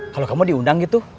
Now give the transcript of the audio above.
kalau kamu diundang gitu